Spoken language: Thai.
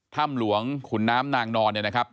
ถ้ำหลวงขุนน้ำนางนอนเนี่ยนะครับ